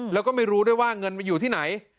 แล้วก็ไม่รู้ด้วยว่าเงินมันอยู่ที่ไหน